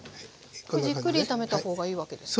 じっくり炒めた方がいいわけですか？